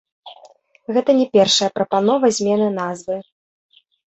Гэта не першая прапанова змены назвы.